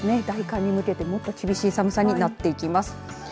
大寒に向けて厳しい寒さになっていきます。